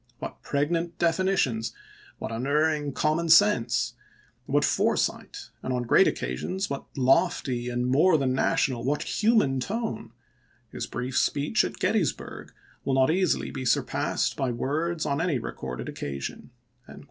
What pregnant defi nitions, what unerring common sense, what fore sight, and on great occasions what lofty, and more than national, what human tone ! His brief speech at Gettysburg will not easily be surpassed by words on any recorded occasion."